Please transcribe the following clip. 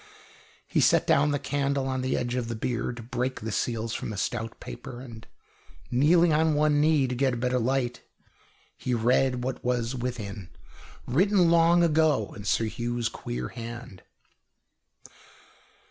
He set down the candle on the edge of the bier to break the seals from the stout paper. And, kneeling on one knee, to get a better light, he read what was within, written long ago in Sir Hugh's queer hand.